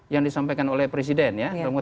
yang disampaikan oleh presiden ya